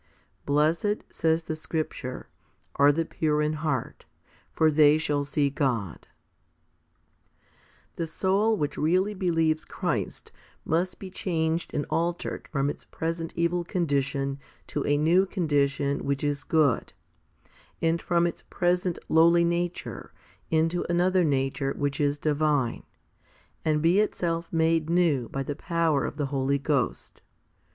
Blessed, says the scripture, are the pure in heart, for they shall see God* 5. The soul which really believes Christ must be changed and altered from its present evil condition to a new con dition which is good, and from its present lowly nature into another nature which is divine, and be itself made new by the power of the Holy Ghost.